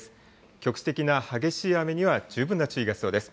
局地的な激しい雨には十分な注意が必要です。